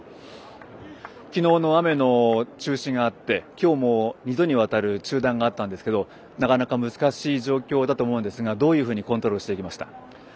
昨日の雨の中止があって今日も２度にわたる中断があったんですけどなかなか難しい状況だったと思いますがどういうふうにコントロールしていきました？